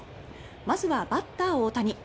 まずは、バッター・大谷。